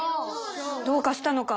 どうかしたのか？